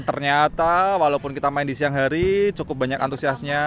ternyata walaupun kita main di siang hari cukup banyak antusiasnya